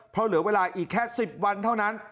เพราะเหลือเวลาอีกแค่๑๐วันเท่านั้น